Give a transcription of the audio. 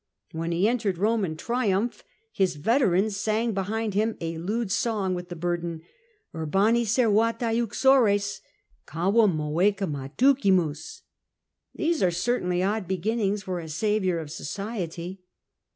When he entered Rome in triumph, his veterans sang behind him a lewd song with the burden —" ITrbani, servate uxorea ! Calvum moeohuin adducimus 1 " These were certainly odd beginnings for a saviour of society.